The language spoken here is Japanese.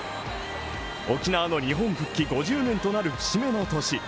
沖縄の日本復帰５０年となる節目の年